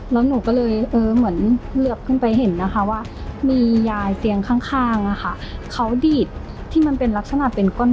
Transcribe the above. แล้วหนูก็เลยเออเหมือนเหลือบขึ้นไปเห็นนะคะว่ามียายเตียงข้างเขาดีดที่มันเป็นลักษณะเป็นก้น